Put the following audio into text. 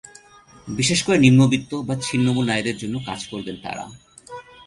বিশেষ করে নিম্নবিত্ত বা ছিন্নমূল নারীদের জন্য কাজ করবেন তাঁরা।